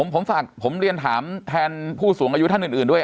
ผมฝากผมเรียนถามแทนผู้สูงอายุท่านอื่นด้วย